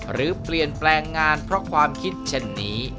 หรือเปลี่ยนแปลงงานเพราะความคิดเช่นนี้